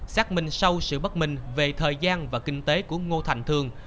xác minh sau sự bất minh về thời gian và kinh tế của ngô thành thương